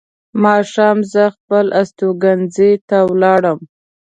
ماښام زه خپل استوګنځي ته ولاړم.